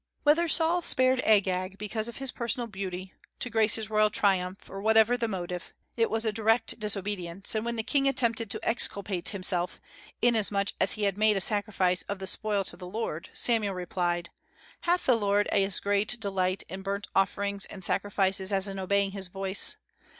Whether Saul spared Agag because of his personal beauty, to grace his royal triumph, or whatever the motive, it was a direct disobedience; and when the king attempted to exculpate himself, inasmuch as he had made a sacrifice of the spoil to the Lord, Samuel replied: "Hath the Lord as great delight in burnt offerings and sacrifices as in obeying his voice?...